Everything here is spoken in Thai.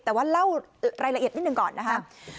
แต่ว่าเล่ารายละเอียดนิดหนึ่งก่อนนะครับ